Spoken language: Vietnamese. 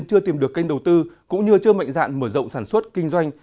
chưa tìm được kênh đầu tư cũng như chưa mạnh dạn mở rộng sản xuất kinh doanh